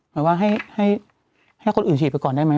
หมายว่าให้คนอื่นฉีดไปก่อนได้ไหม